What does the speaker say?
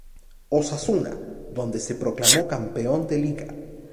Osasuna, donde se proclamó campeón de liga.